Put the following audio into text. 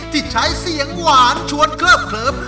ที่ใช้เสียงหวานชวนเคลิบเคลิ้ม